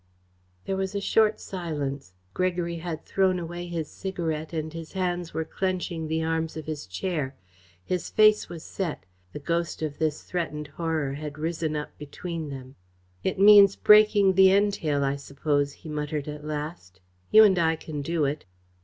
There was a short silence. Gregory had thrown away his cigarette and his hands were clenching the arms of his chair. His face was set. The ghost of this threatened horror had risen up between them. "It means breaking the entail, I suppose?" he muttered at last. "You and I can do it."